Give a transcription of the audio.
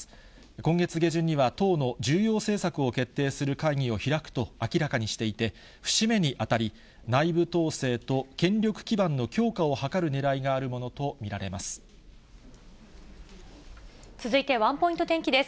今月下旬には党の重要政策を決定する会議を開くと明らかにしていて、節目にあたり、内部統制と権力基盤の強化を図るねらいがある続いて、ワンポイント天気です。